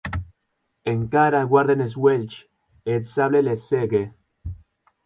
Encara guarden es uelhs, e eth sable les cègue.